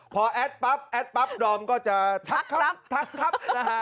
พอแอดปั๊บแอดปั๊บดอมก็จะทักครับทักครับ